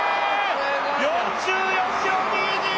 ４４秒２２！